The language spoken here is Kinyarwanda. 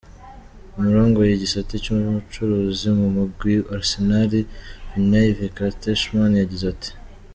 Uwurongoye igisata c'ubucuruzi mu mugwi Arsenal, Vinai Venkatesham yagize ati:.